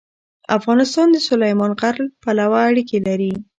افغانستان د سلیمان غر پلوه اړیکې لري.